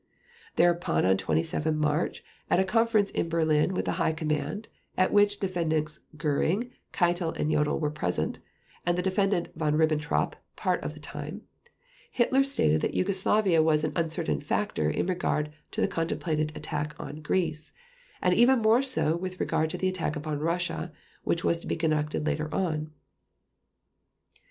Thereupon on 27 March, at a conference in Berlin with the High Command at which the Defendants Göring, Keitel, and Jodl were present, and the Defendant Von Ribbentrop part of the time, Hitler stated that Yugoslavia was an uncertain factor in regard to the contemplated attack on Greece, and even more so with regard to the attack upon Russia which was to be conducted later on.